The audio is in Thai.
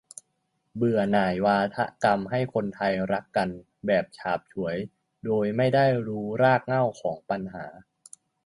เบื่อหน่ายวาทกรรมให้คนไทยรักกันแบบฉาบฉวยโดยไม่ได้ดูรากเง่าของปัญหา